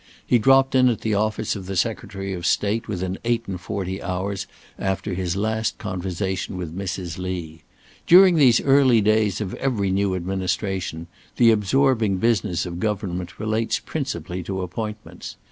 He dropped in at the office of the Secretary of State within eight and forty hours after his last conversation with Mrs. Lee. During these early days of every new administration, the absorbing business of government relates principally to appointments.